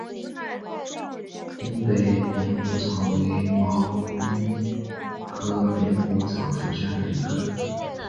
东北扁果草为毛茛科扁果草属下的一个种。